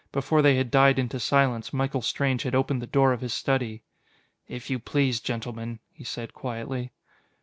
Before they had died into silence, Michael Strange had opened the door of his study. "If you please, gentlemen," he said quietly.